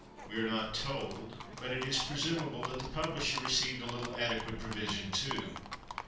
We are not told, but it is presumable, that the publisher received a little adequate provision too.